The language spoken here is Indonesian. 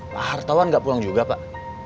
pak hartawan gak pulang juga pak